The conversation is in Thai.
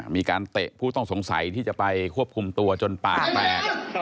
เตะผู้ต้องสงสัยที่จะไปควบคุมตัวจนปากแตก